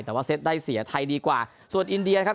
แต่ว่าเซตได้เสียไทยดีกว่าส่วนอินเดียครับ